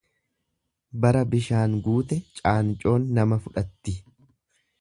Bara bishaan guute caancoon nama fudhatti.